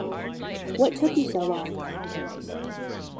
What Took You So Long?